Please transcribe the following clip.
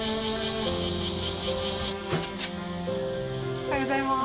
おはようございます。